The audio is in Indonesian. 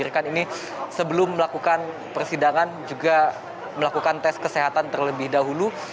dihadirkan ini sebelum melakukan persidangan juga melakukan tes kesehatan terlebih dahulu